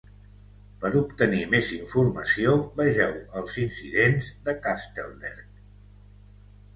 Per obtenir més informació, vegeu Els incidents de Castlederg.